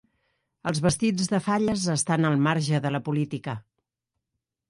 Els vestits de falles estan al marge de la política